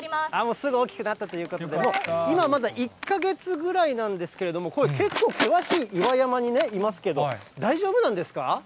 すぐ大きくなったということで、今はまだ１か月ぐらいなんですけれども、これ、結構険しい岩山にいますけど、大丈夫なんですか。